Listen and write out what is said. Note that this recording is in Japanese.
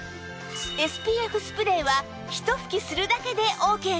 ＳＰＦ スプレーはひと吹きするだけでオーケーです